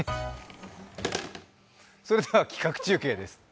それでは企画中継です。